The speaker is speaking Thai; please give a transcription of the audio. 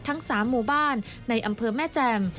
ทั้ง๓หมู่บ้านในอำเภอแม่แจ่ม